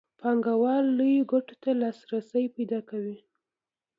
پانګوال لویو ګټو ته لاسرسی پیدا کوي